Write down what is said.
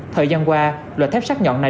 thời gian qua loại thép sát nhọn này